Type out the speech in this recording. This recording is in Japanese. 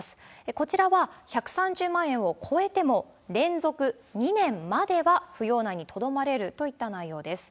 こちらは、１３０万円を超えても連続２年までは扶養内にとどまれるといった内容です。